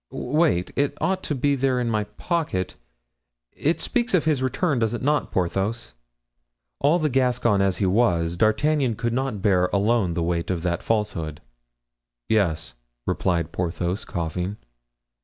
"Wait, it ought to be there in my pocket; it speaks of his return, does it not, Porthos?" All Gascon as he was, D'Artagnan could not bear alone the weight of that falsehood. "Yes," replied Porthos, coughing.